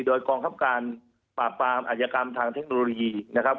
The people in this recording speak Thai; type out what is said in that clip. โดยกองคับการปราบปรามอาชญากรรมทางเทคโนโลยีนะครับ